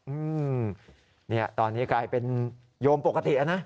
อืมตอนนี้กลายเป็นโยมปกติอ่ะนะ